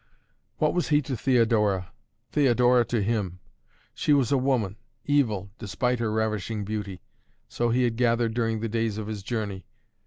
What was he to Theodora Theodora to him? She was a woman, evil, despite her ravishing beauty, so he had gathered during the days of his journey.